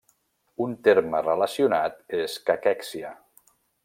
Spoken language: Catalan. Un terme relacionat és caquèxia.